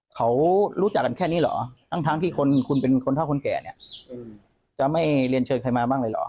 เขารู้จักกันแค่นี้เหรอทั้งที่คนคุณเป็นคนเท่าคนแก่เนี่ยจะไม่เรียนเชิญใครมาบ้างเลยเหรอ